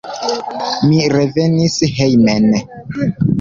Mi revenis hejmen.